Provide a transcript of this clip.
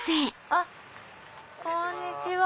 あっこんにちは。